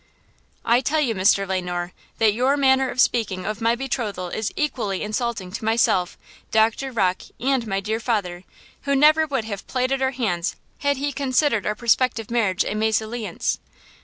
"I tell you, Mr. Le Noir, that your manner of speaking of my betrothal is equally insulting to myself, Doctor Rocke and my dear father, who never would have plighted our hands had he considered our prospective marriage a mésalliance."